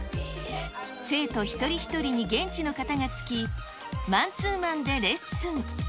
生徒一人一人に現地の方が付き、マンツーマンでレッスン。